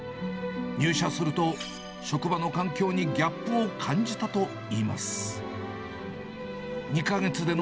入社すると、職場の環境にギャップを感じたといいます。